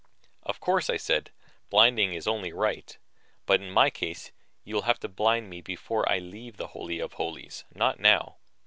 "Of course," I said, "blinding is only right. But in my case you will have to blind me before I leave the Holy of Holies, not now.